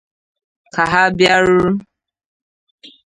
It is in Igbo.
Ka ha bịaruru